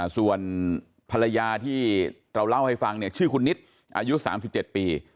ส่วนภรรยาที่เราเล่าให้ฟังเนี่ยชื่อคุณนิดอายุ๓๗ปี